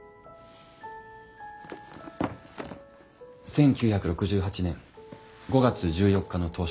１９６８年５月１４日の投書です。